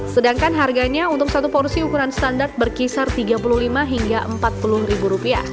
sedangkan harganya untuk satu porsi ukuran standar berkisar tiga puluh lima hingga empat puluh ribu rupiah